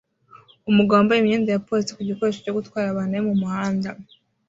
Umugabo wambaye imyenda ya polisi ku gikoresho cyo gutwara abantu ari mu muhanda